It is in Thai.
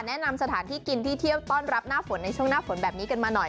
แนะนำสถานที่กินที่เที่ยวต้อนรับหน้าฝนในช่วงหน้าฝนแบบนี้กันมาหน่อย